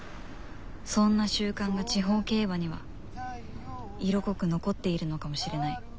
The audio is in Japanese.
そんな習慣が地方競馬には色濃く残っているのかもしれない